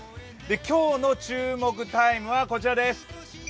今日の注目タイムは、こちらです。